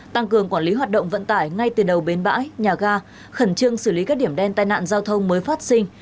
tăng cường quản lý hoạt động vận tải ngay từ đầu bến bãi nhà ga khẩn trương xử lý các điểm đen tai nạn giao thông mới phát sinh